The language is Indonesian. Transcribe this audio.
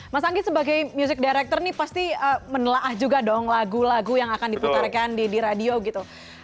mas anggi sebagai music director ini pasti menelah juga dong lagu lagu yang akan diputarkan di radio gitu